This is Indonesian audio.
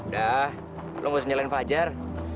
dah lo gak usah nyelain fajar